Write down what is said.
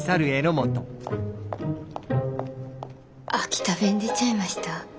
秋田弁出ちゃいました？